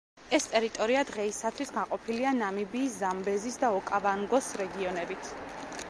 ეს ტერიტორია დღეისათვის გაყოფილია ნამიბიის ზამბეზის და ოკავანგოს რეგიონებით.